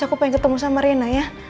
aku pengen ketemu sama rina ya